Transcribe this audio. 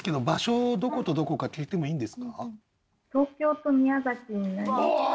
場所どことどこか聞いてもいいんですか？